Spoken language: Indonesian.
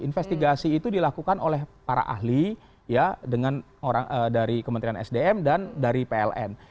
investigasi itu dilakukan oleh para ahli dari kementerian sdm dan dari pln